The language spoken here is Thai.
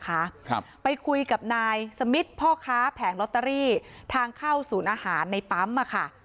ครับไปคุยกับนายสมิทพ่อค้าแผงลอตเตอรี่ทางเข้าศูนย์อาหารในปั๊มอ่ะค่ะ